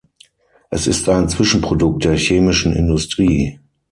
Es ist ein Zwischenprodukt der Chemischen Industrie.